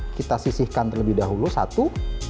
kita sisihkan terlebih dahulu satu